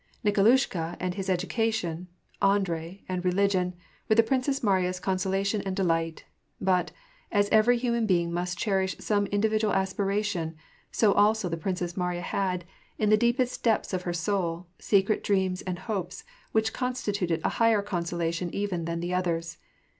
Nikolushka and his education, Andrei, and religion, were the Princess Mariya's consolation and delight ; but, as every human being must cherish some individual aspiration, so also the Princess Mariya had, in the deepest depths of her soul, secret dreams and hopes, which constituted a higher consolation even than the others.